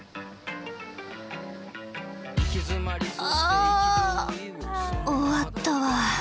あ終わったわ。